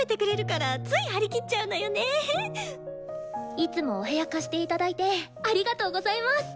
いつもお部屋貸していただいてありがとうございます。